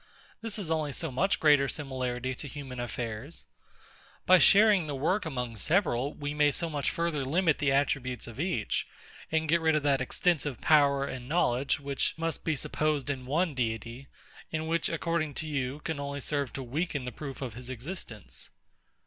This is only so much greater similarity to human affairs. By sharing the work among several, we may so much further limit the attributes of each, and get rid of that extensive power and knowledge, which must be supposed in one deity, and which, according to you, can only serve to weaken the proof of his existence.